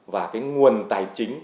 và nguồn tài chính